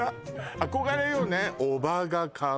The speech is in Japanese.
憧れよね